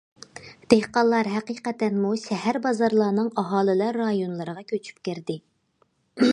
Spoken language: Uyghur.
دېھقانلار ھەقىقەتەنمۇ شەھەر بازارلارنىڭ ئاھالىلەر رايونلىرىغا كۆچۈپ كىردى.